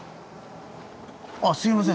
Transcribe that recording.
あっすみません。